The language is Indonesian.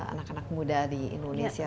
anak anak muda di indonesia